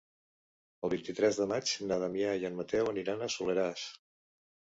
El vint-i-tres de maig na Damià i en Mateu aniran al Soleràs.